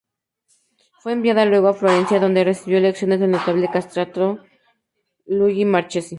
Fue enviada luego a Florencia, en donde recibió lecciones del notable castrato Luigi Marchesi.